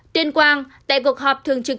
tuyên quang tại cuộc họp thường trực